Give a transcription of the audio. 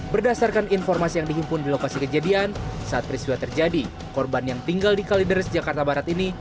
berdasarkan informasi yang dihimpun di lokasi kejadian saat peristiwa terjadi korban yang tinggal di kalideres jakarta barat ini